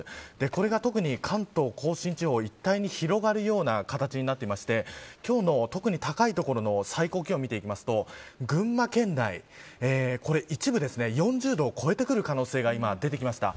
これが特に関東甲信地方一帯に広がるような形になっていまして今日の特に高い所の最高気温を見ると群馬県内一部４０度を超えてくる可能性が出てきました。